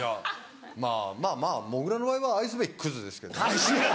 まぁまぁもぐらの場合は愛すべきクズですけどね。